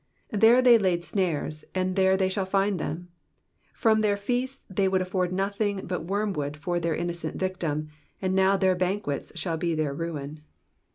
'''' There they laid snares, and there they shall find them. From their feasts they would afford nothing but wormwood for their innocent victim, and now their banquets shall be their ruin.